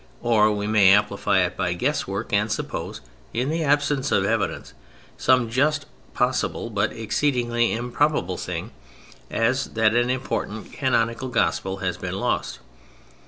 Or we may amplify it by guesswork, and suppose, in the absence of evidence, some just possible but exceedingly improbable thing: as, that an important canonical Gospel has been lost.